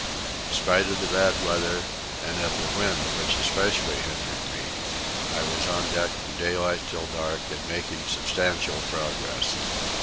In spite of the bad weather, and of the wind which especially hindered me, I was on deck from daylight till dark and making substantial progress.